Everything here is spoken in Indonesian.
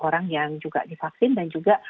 orang yang juga divaksin dan juga